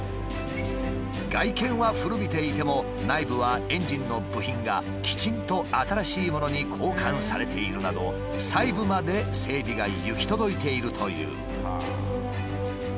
外見は古びていても内部はエンジンの部品がきちんと新しいものに交換されているなど細部まで整備が行き届いているという。